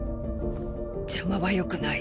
邪魔はよくない。